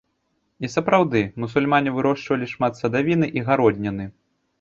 І сапраўды, мусульмане вырошчвалі шмат садавіны і гародніны.